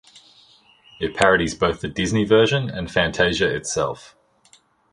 It parodies both the Disney version, and "Fantasia" itself.